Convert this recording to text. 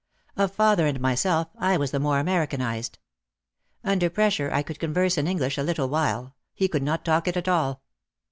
Of father and myself, I was the more Americanised. Under pressure I could converse in English a little while, he could not talk it at all.